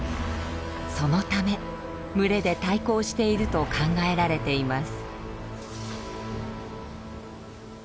そのため群れで対抗していると考えられています。